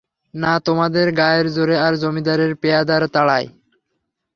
না তোমাদের গায়ের জোরে আর জমিদারের পেয়াদার তাড়ায়।